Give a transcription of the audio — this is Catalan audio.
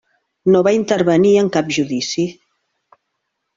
No va intervenir en cap judici.